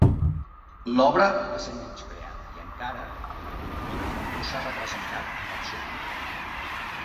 L'obra va ser menyspreada i encara, actualment, no s'ha representat en versió completa.